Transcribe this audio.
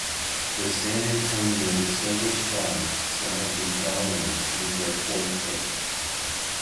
The San Antonio Silver Stars selected Darling with their fourth pick.